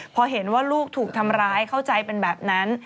พอเห็นว่าลูกถูกทำร้ายเข้าใจเป็นแบบนั้น